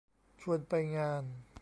ชวนไปงาน